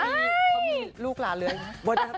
เขามีลูกลาเลือดไง